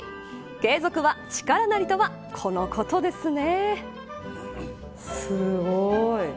継続は力なりとはこのことですね。